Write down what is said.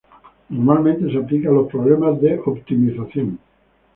Normalmente se aplica a los problemas de optimización.